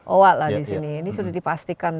owa lah di sini ini sudah dipastikan